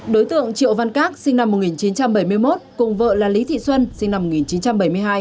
đối tượng triệu văn các sinh năm một nghìn chín trăm bảy mươi một cùng vợ là lý thị xuân sinh năm một nghìn chín trăm bảy mươi hai